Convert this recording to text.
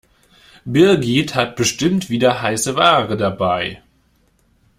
Birgit hat bestimmt wieder heiße Ware dabei.